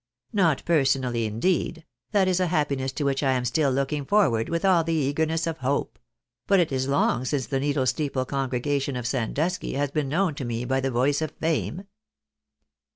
Not personally, indeed, that is a happiness to which I am still looking forward with all the eagerness of hope ; but it is long since the Needle Steeple congregation of Sandusky has been known to me by the voice of fame."